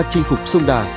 chinh phục sông đà